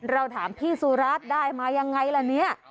เราถามพี่สุรัตน์ได้มายังไงล่ะเนี่ย